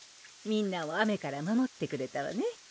みんなを雨から守ってくれたわね